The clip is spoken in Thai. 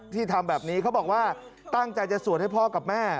ที่ทำแบบนี้เขาบอกว่าตั้งใจจะสวดให้พ่อกับแม่